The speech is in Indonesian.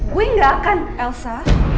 gue gak akan elsa